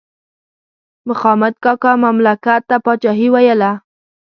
مخامد کاکا مملکت ته پاچاهي ویله.